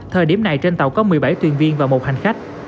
thời điểm này trên tàu có một mươi bảy thuyền viên và một hành khách